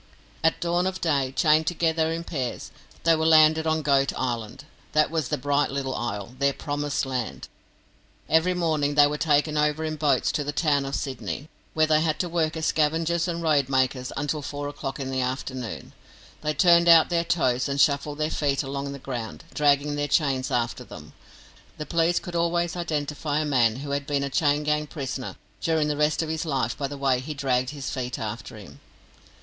At dawn of day, chained together in pairs, they were landed on Goat Island; that was the bright little isle their promised land. Every morning they were taken over in boats to the town of Sydney, where they had to work as scavengers and road makers until four o'clock in the afternoon. They turned out their toes, and shuffled their feet along the ground, dragging their chains after them. The police could always identify a man who had been a chain gang prisoner during the rest of his life by the way he dragged his feet after him.